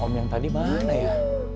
om yang tadi mana ya